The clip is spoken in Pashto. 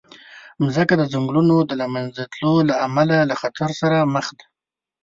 مځکه د ځنګلونو د له منځه تلو له امله له خطر سره مخ ده.